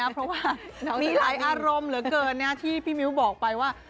เพราะว่ามีหลายอารมณ์เหลือเกินที่พี่มิ้วบอกไปว่า